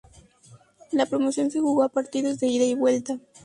La promoción se jugó a partidos de ida y vuelta.